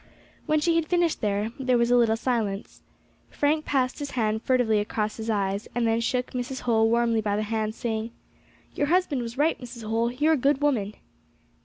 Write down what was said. When she had finished there was a little silence. Frank passed his hand furtively across his eyes, and then shook Mrs. Holl warmly by the hand, saying, "Your husband was right, Mrs. Holl, you are a good woman."